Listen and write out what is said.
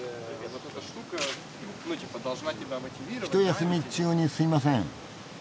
ひと休み中にすいません。